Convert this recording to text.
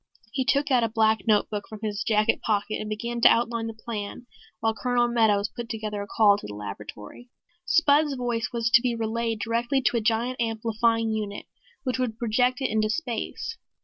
He took out a black notebook from his jacket pocket and began to outline the plan while Colonel Meadows put through a call to the laboratory. Spud's voice was to be relayed directly to a giant amplifying unit which would project it into space.